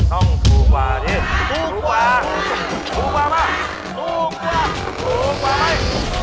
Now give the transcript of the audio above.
ต้องถูกกว่าเลย